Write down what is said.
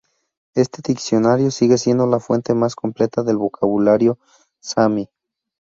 Este diccionario sigue siendo la fuente más completa del vocabulario saami.